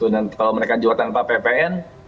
dan kalau mereka jual tanpa ppn